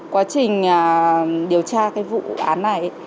quá trình điều tra vụ án này